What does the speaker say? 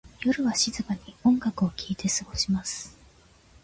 夜は静かに音楽を聴いて過ごします。